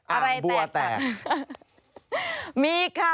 อ่างบัวแตก